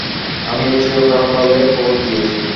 আমি এরচেয়েও খারাপভাবে কবর দিয়েছি।